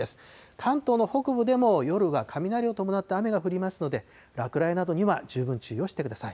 関東の北部でも、夜は雷を伴った雨が降りますので、落雷などには十分注意をしてください。